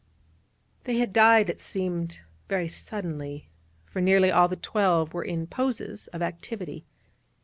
They had died, it seemed, very suddenly, for nearly all the twelve were in poses of activity.